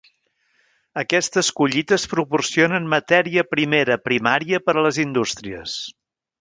Aquestes collites proporcionen matèria primera primària per a les indústries.